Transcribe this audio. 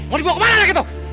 mau dibawa kemana anak itu